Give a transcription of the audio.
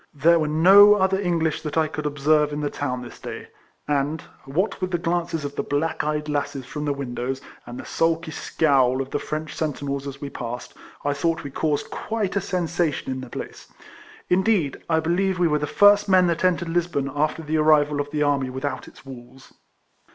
There were no other English that I could observe in the town this day; and, wliat with the glances of the black eyed lasses from the windows, and the sulky scowl of the French sentinels as we passed, I thought we caused quite a sensation in the place. Indeed I believe we were the first men that entered Lisbon after the arrival of the army without its walls.